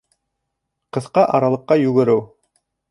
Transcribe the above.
Ҡыҫҡа аралыҡҡа йүгереү